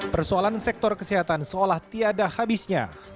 persoalan sektor kesehatan seolah tiada habisnya